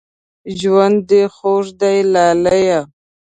ژوند دې خوږ دی لالیه